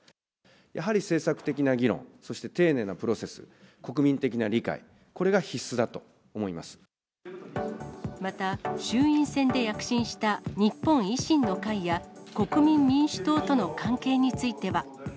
やはり政策的な議論、そして丁寧なプロセス、国民的な理解、また、衆院選で躍進した日本維新の会や、国民民主党との関係については。